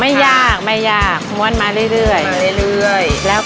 พี่ดาขายดอกบัวมาตั้งแต่อายุ๑๐กว่าขวบ